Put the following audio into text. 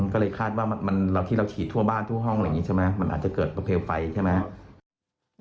ก็เลยคาดว่าที่เราฉีดทั่วบ้านทั่วห้องมันอาจจะเกิดประเภทไฟใช่ไหม